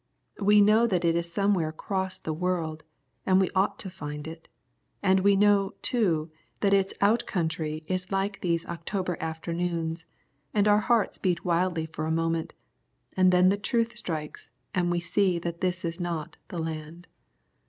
We know that it is somewhere across the world, and we ought to find it, and we know, too, that its out country is like these October afternoons, and our hearts beat wildly for a moment, then the truth strikes and we see that this is not The Land.